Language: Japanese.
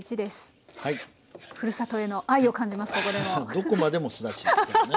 どこまでもすだちですからね。